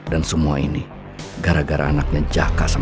dan semua ini gara gara anaknya jaka sama nawang